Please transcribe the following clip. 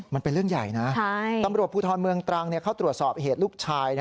มันเป็นเรื่องใหญ่นะตำรวจภูทรเมืองตรังเข้าตรวจสอบเหตุลูกชาย